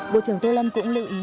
bộ trưởng tô lâm cũng lưu ý